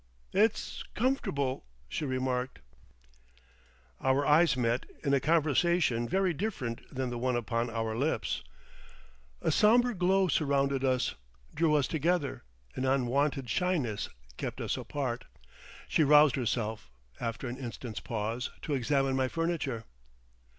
"It's comfortable," she remarked. Our eyes met in a conversation very different from the one upon our lips. A sombre glow surrounded us, drew us together; an unwonted shyness kept us apart. She roused herself, after an instant's pause, to examine my furniture.